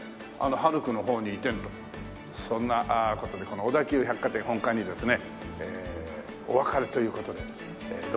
ハルクの方に移転とそんな事でこの小田急百貨店本館にですねお別れという事で。